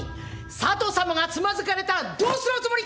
佐都さまがつまずかれたらどうするおつもりか！